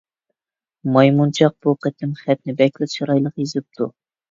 مايمۇنچاق بۇ قېتىم خەتنى بەكلا چىرايلىق يېزىپتۇ.